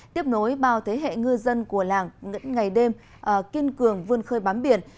tiếp nối bao thế hệ ngư dân của làng những ngày đêm kiên cường vươn khơi bám biển